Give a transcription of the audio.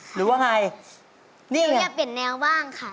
หรือว่าไงนี่หนูอยากเปลี่ยนแนวบ้างค่ะ